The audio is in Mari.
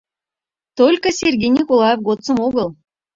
Только Сергей Николаев годсым огыл.